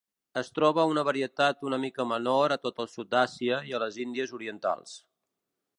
Es troba una varietat una mica menor a tot el sud d'Àsia i a les Índies Orientals.